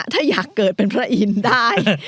ถ้าอยากเกิดเป็นพระอินทร์ได้